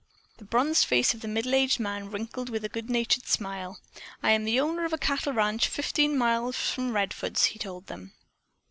The bronzed face of the middle aged man wrinkled in a good natured smile. "I am the owner of a cattle ranch fifteen miles from Redfords," he told them.